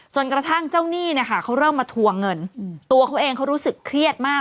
จนกระทั่งเจ้าหนี้เนี่ยค่ะเขาเริ่มมาทวงเงินตัวเขาเองเขารู้สึกเครียดมาก